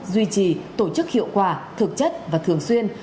duy trì tổ chức hiệu quả thực chất và thường xuyên